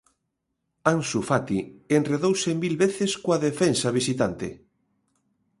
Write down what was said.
Ansu Fati enredouse mil veces coa defensa visitante.